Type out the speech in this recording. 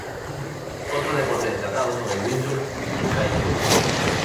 Otros deportes destacados son el windsurf y el kitesurf.